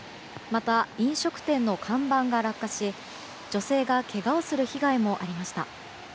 また、飲食店の看板が落下し女性がけがをする被害もありました。